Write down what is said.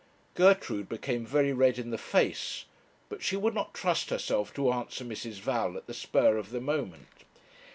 Gertrude became very red in the face; but she would not trust herself to answer Mrs. Val at the spur of the moment.